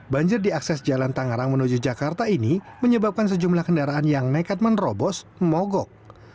banjir di akses jalan tangerang menuju jakarta ini menyebabkan sejumlah kendaraan yang nekat menerobos mogok